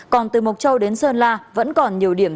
còn từ mộc châu đến sơn la vẫn còn nhiều điểm